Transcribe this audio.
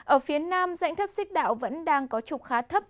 ở phía nam dãnh thấp xích đạo vẫn đang có trục khá thấp